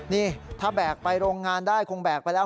นี่ถ้าแบกไปโรงงานได้คงแบกไปแล้ว